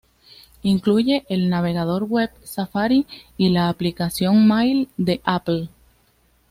Incluye el navegador web Safari y la aplicación Mail de Apple.